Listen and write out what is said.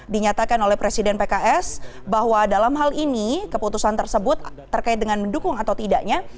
dinyatakan oleh presiden pks bahwa dalam hal ini keputusan tersebut terkait dengan mendukung atau tidaknya